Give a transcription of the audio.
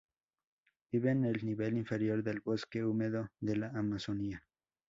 Vive en el nivel inferior del bosque húmedo de la Amazonia.